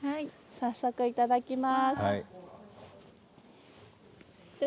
早速いただきます。